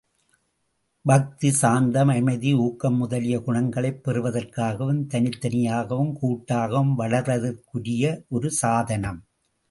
பக்தி, சாந்தம், அமைதி ஊக்கம் முதலிய குணங்களைப் பெறுவதற்காகவும், தனித்தனியாகவும் கூட்டாகவும் வளர்வதற்குரிய ஒரு சாதனம்!